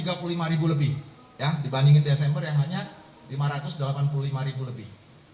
jadi ini berarti lebih dari lima ratus tiga puluh lima lebih dibandingkan dengan desember yang hanya lima ratus delapan puluh lima lebih